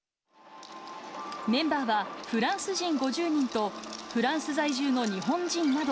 メンバーはフランス人５０人とフランス在住の日本人など、